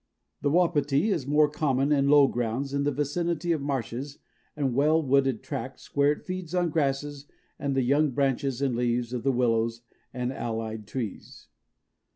The Wapiti is more common in low grounds in the vicinity of marshes and well wooded tracts, where it feeds on grasses and the young branches and leaves of the willows and allied trees.